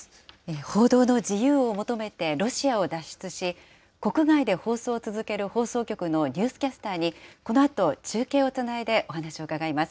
報道の自由を求めて、ロシアを脱出し、国外で放送を続ける放送局のニュースキャスターに、このあと中継をつないでお話を伺います。